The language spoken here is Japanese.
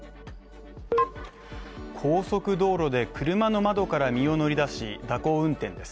高速道路で車の窓から身を乗り出し、蛇行運転です。